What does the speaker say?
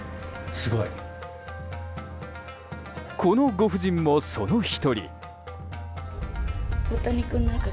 このご婦人も、その１人。